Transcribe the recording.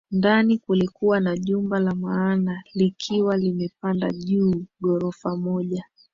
Ndani kulikuwa na jumba la maana likiwa limepanda juu ghorofa moja